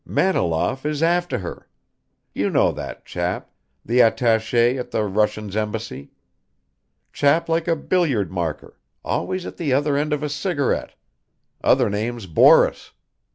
Maniloff is after her. You know that chap, the attaché at the Russian Embassy, chap like a billiard marker, always at the other end of a cigarette other name's Boris.